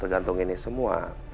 tergantung ini semua